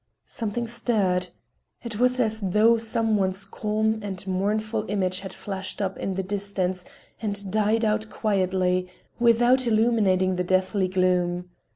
Something stirred. It was as though some one's calm and mournful image had flashed up in the distance and died out quietly, without illuminating the deathly gloom.